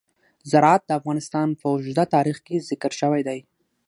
زراعت د افغانستان په اوږده تاریخ کې ذکر شوی دی.